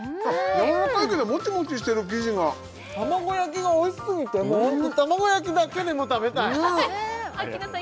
やわらかいけどモチモチしてる生地が卵焼きがおいしすぎてもう卵焼きだけでも食べたいアッキーナさん